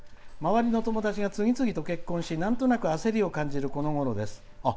周りの友達が次々と結婚しなんとなく焦りを感じるこのごろです」。